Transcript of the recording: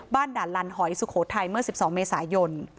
ด่านลันหอยสุโขทัยเมื่อ๑๒เมษายน